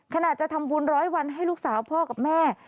จะทำบุญร้อยวันให้ลูกสาวพ่อกับแม่